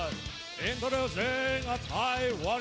ตอนนี้มวยกู้ที่๓ของรายการ